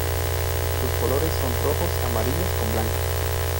Sus colores son rojos y amarillos, con blancos.